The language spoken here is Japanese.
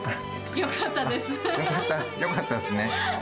よかったですね。